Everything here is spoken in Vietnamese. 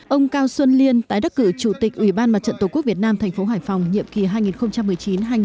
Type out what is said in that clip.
ông cao xuân liên tái đắc cử chủ tịch ủy ban mặt trận tổ quốc việt nam thành phố hải phòng nhiệm kỳ hai nghìn một mươi chín hai nghìn hai mươi bốn